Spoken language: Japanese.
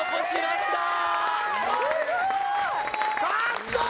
すごい！